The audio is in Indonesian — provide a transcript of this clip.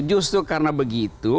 justru karena begitu